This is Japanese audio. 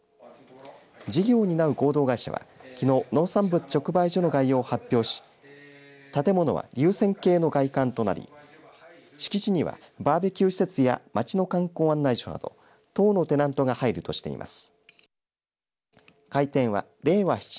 事業を担う合同会社はきのう農産物直売所の概要を発表し建物は流線形の外観となり敷地にはバーベキュー施設や町の観光案内所など１０のテナントが入るとしています。